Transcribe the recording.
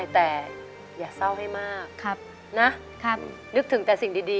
แต่อย่าเศร้าให้มากนะ